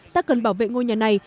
ta cần bảo vệ ngôi nhà này